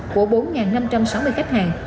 của bốn năm trăm sáu mươi khách hàng